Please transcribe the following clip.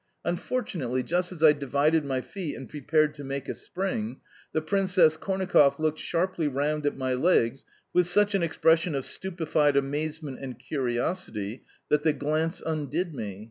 Unfortunately, just as I divided my feet and prepared to make a spring, the Princess Kornakoff looked sharply round at my legs with such an expression of stupefied amazement and curiosity that the glance undid me.